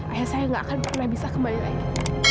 ayah saya gak akan pernah bisa kembali lagi